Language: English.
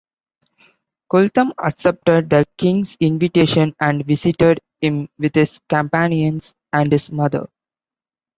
Kulthum accepted the king's invitation and visited him with his companions and his mother.